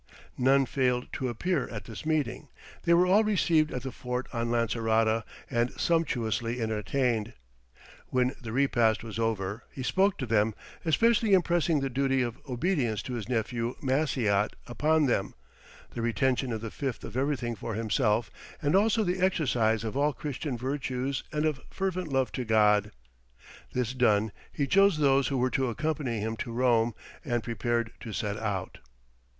None failed to appear at this meeting; they were all received at the fort on Lancerota, and sumptuously entertained. When the repast was over, he spoke to them, especially impressing the duty of obedience to his nephew Maciot upon them, the retention of the fifth of everything for himself, and also the exercise of all Christian virtues and of fervent love to God. This done, he chose those who were to accompany him to Rome, and prepared to set out.